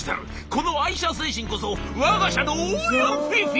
この愛社精神こそわが社のオーヤン・フィーフィー！」。